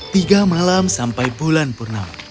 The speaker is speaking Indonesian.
tiga malam sampai bulan purnama